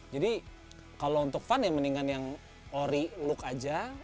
jadi kalau untuk fun ya mendingan yang ori look aja